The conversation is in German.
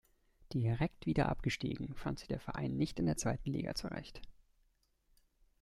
Direkt wieder Abgestiegen, fand sich der Verein nicht in der zweiten Liga zurecht.